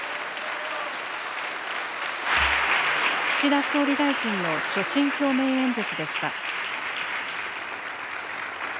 岸田総理大臣の所信表明演説でした。